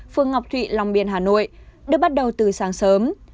phương ngọc thụy long biên hà nội được bắt đầu từ sáng sớm